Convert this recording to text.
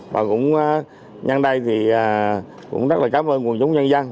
và cũng nhăn đây thì cũng rất là cảm ơn quân chống nhân dân